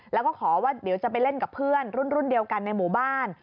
แล้วก็ขอว่าเดี๋ยวจะไปเล่นกับเพื่อนรุ่นเดียวกันในหมู่บ้าน